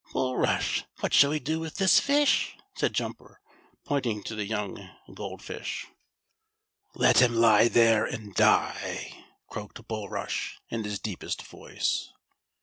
"Bulrush, what shall we do with this fish?" said Jumper, pointing to the young Gold Fish. "Let him lie there and die!" croaked Bulrush, in his deepest voice.